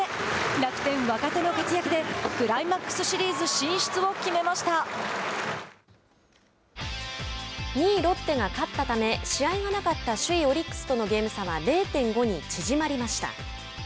楽天、若手の活躍でクライマックスシリーズ進出を２位ロッテが勝ったため試合がなかった首位オリックスとのゲーム差は０．５に縮まりました。